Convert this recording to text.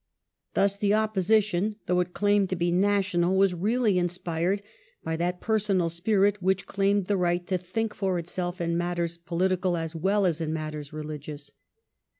Thus the opposition, though it claimed to be national, was really inspired by that per sonal spirit which claimed the right to think for itself in matters political as well as in matters religious.